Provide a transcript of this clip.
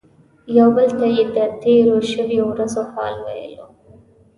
یو بل ته یې د تیرو شویو ورځو حال ویلو.